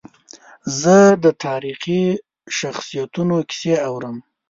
زه د تاریخي شخصیتونو کیسې اورم.